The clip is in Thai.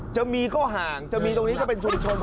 จะมีก็ห่างจะมีตรงนี้จะเป็นชุมชน